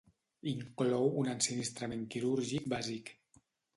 Inclou un ensinistrament quirúrgic bàsic.